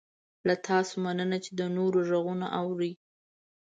له تاسې مننه چې د نورو غږونه اورئ